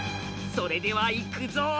それではいくぞ！